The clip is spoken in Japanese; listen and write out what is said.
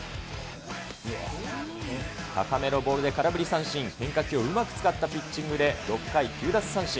高めのボールで空振り三振、変化球をうまく使ったピッチングで６回９奪三振。